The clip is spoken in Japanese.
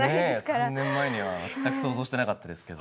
３年前には全く想像してなかったですけど。